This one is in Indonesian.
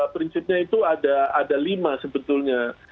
prinsipnya itu ada lima sebetulnya